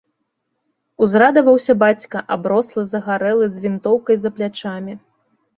Узрадаваўся бацька, аброслы, загарэлы, з вінтоўкай за плячамі.